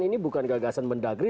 ini bukan gagasan mendagri